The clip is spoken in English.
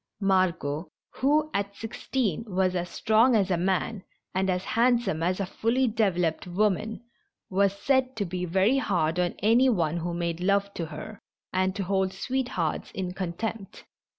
Margot, who at six teen was as strong as a man, and as handsome as a fully developed woman, was said to be very hard on any one who made love to her, and to hold sweethearts in con tempt.